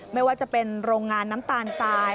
ไม่ว่าจะเป็นโรงงานน้ำตาลทราย